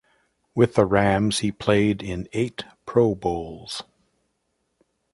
With the Rams, he played in eight Pro Bowls.